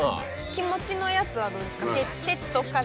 気持ちのやつはどうですか？